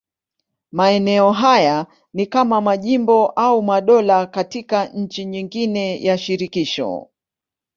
Maeneo haya ni kama majimbo au madola katika nchi nyingine ya shirikisho.